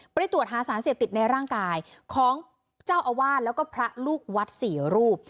ไปตรวจหาสารเสพติดในร่างกายของเจ้าอาวาสแล้วก็พระลูกวัด๔รูป